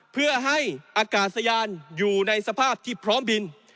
เพื่อให้อากาศยานอยู่ในสภาพที่พร้อมบิน